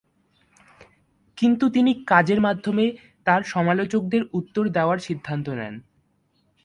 কিন্তু তিনি কাজের মাধ্যমে তার সমালোচকদের উত্তর দেওয়ার সিদ্ধান্ত নেন।